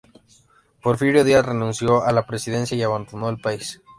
Porfirio Díaz renunció a la presidencia y abandonó el país.